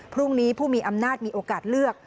พรุ่งนี้ผู้มีอำนาจมีโอกาสเลือก